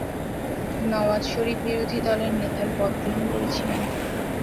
নওয়াজ শরীফ বিরোধী দলের নেতার পদ গ্রহণ করেছিলেন।